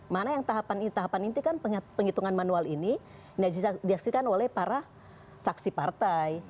mana yang tahapan inti kan penghitungan manual ini yang diaksikan oleh para saksi partai